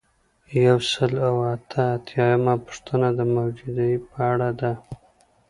یو سل او اته اتیایمه پوښتنه د موجودیې په اړه ده.